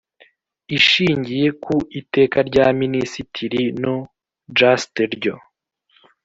Ishingiye ku Iteka rya Minisitiri no Just ryo